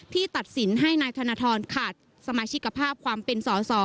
ตัดสินให้นายธนทรขาดสมาชิกภาพความเป็นสอสอ